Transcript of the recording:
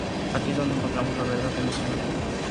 Aquí es donde encontramos la verdad emocional".